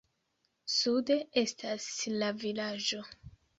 Sude estas la vilaĝo.